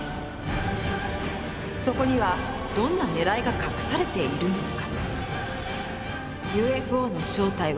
そこにはどんなねらいが隠されているのか？